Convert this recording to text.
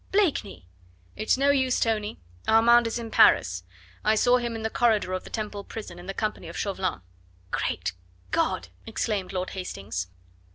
"Blakeney!" "It's no use, Tony. Armand is in Paris. I saw him in the corridor of the Temple prison in the company of Chauvelin." "Great God!" exclaimed Lord Hastings.